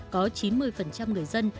có chín mươi người dân